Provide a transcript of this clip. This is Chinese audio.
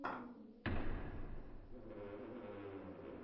其产品为同德代工生产。